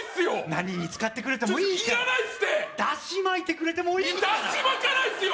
何に使ってくれてもいいからいらないっすってダシ巻いてくれてもいいからダシ巻かないっすよ